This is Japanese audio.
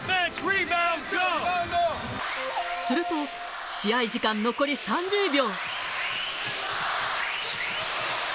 すると、試合時間残り３０秒。